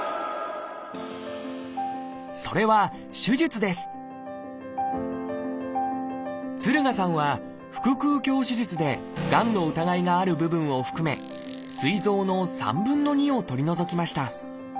それは「手術」です敦賀さんは腹腔鏡手術でがんの疑いがある部分を含めすい臓の３分２を取り除きました。